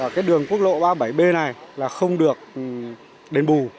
cái đường quốc lộ ba mươi bảy b này là không được đền bù